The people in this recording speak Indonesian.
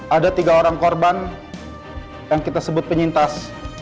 ada tiga orang korban yang kita sebut penyintas